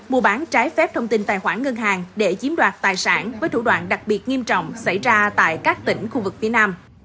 mua bán trái phép thông tin tài khoản ngân hàng để chiếm đoạt tài sản với thủ đoạn đặc biệt nghiêm trọng xảy ra tại các tỉnh khu vực phía nam